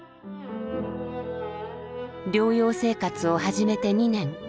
療養生活を始めて２年。